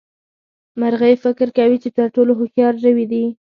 مرغۍ فکر کوي چې تر ټولو هوښيار ژوي دي.